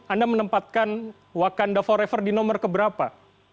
anda menempatkan wakanda forever di nomor keberapa